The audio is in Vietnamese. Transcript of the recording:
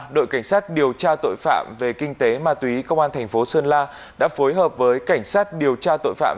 đội cảnh sát điều tra tội phạm về kinh tế ma túy công an thành phố sơn la đã phối hợp với cảnh sát điều tra tội phạm